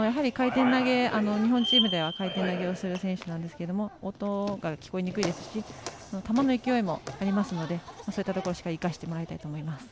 日本チームでは回転投げをする選手なんですけど音が聞こえにくいですし球の勢いもありますのでそういったところをしっかり生かしてほしいと思います。